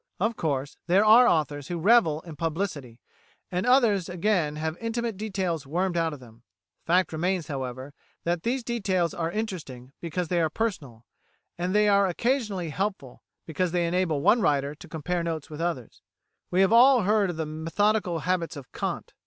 Of course, there are authors who revel in publicity, and others again have intimate details wormed out of them. The fact remains, however, that these details are interesting, because they are personal; and they are occasionally helpful, because they enable one writer to compare notes with others. We have all heard of the methodical habits of Kant.